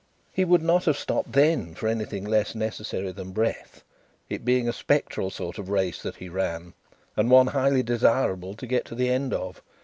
He would not have stopped then, for anything less necessary than breath, it being a spectral sort of race that he ran, and one highly desirable to get to the end of.